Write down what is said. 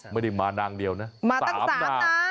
ไม่ได้มานางเดียวนะสามนางมาตั้งสามนาง